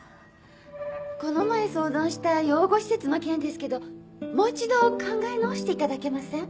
この前相談した養護施設の件ですけどもう一度考え直していただけません？